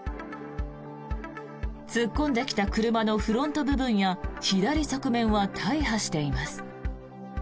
突っ込んできた車のフロント部分や左側面は大破しています。